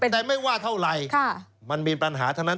แต่ไม่ว่าเท่าไหร่มันมีปัญหาเท่านั้น